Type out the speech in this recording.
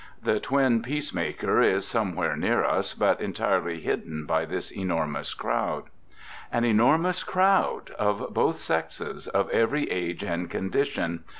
The twin peacemaker is somewhere near us, but entirely hidden by this enormous crowd. An enormous crowd! of both sexes, of every age and condition.